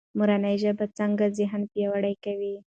مورنۍ ژبه څنګه ذهن پیاوړی کوي؟